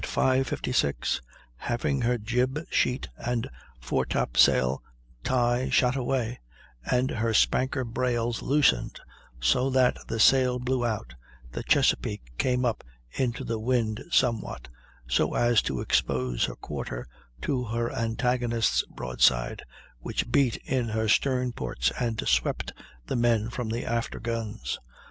56, having had her jib sheet and foretop sail tie shot away, and her spanker brails loosened so that the sail blew out, the Chesapeake came up into the wind somewhat, so as to expose her quarter to her antagonist's broadside, which beat in her stern ports and swept the men from the after guns.